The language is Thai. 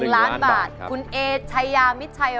๑ล้านบาทคุณเอกใชยามิชย์